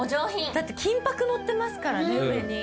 だって金箔のってますからね。